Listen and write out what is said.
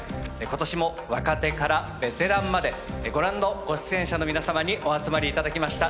今年も若手からベテランまでご覧のご出演者の皆様にお集まりいただきました。